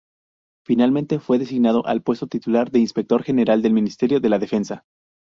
Finalmente fue designado al puesto titular de Inspector General del Ministerio de la Defensa.